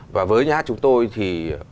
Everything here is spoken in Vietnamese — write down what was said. và với nhà hát chúng tôi thì